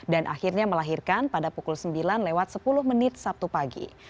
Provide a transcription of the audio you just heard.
dan akhirnya melahirkan pada pukul sembilan lewat sepuluh menit sabtu pagi